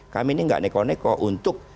kami ini nggak neko neko untuk